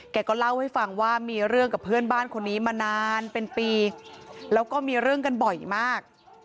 แกก็เล่าให้ฟังว่ามีเรื่องกับเพื่อนบ้านคนนี้มานานเป็นปีแล้วก็มีเรื่องกันบ่อยมาก